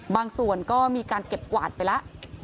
บางส่วนก็มีการเก็บกวาดไปแล้ว